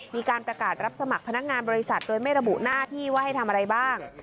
มีการประกาศรับสมัครพนักงานบริษัทโดยไม่ระบุหน้าที่ว่าให้ทำอะไรบ้าง